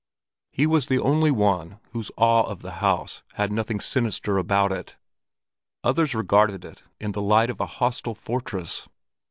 He was the only one whose awe of the House had nothing sinister about it; others regarded it in the light of a hostile fortress.